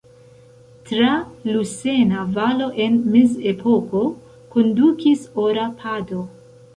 Tra Lusena valo en mezepoko kondukis Ora pado.